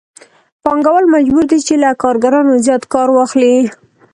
پانګوال مجبور دی چې له کارګرانو زیات کار واخلي